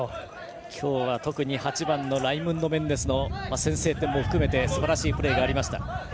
今日は特に８番のライムンド・メンデスの先制点も含めてすばらしいプレーがありました。